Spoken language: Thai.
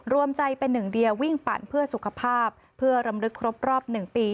รวมใจเป็นหนึ่งเดียววิ่งปั่นเพื่อสุขภาพเพื่อรำลึกครบรอบ๑ปี